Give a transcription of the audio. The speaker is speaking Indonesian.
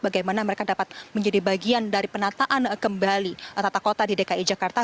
bagaimana mereka dapat menjadi bagian dari penataan kembali tata kota di dki jakarta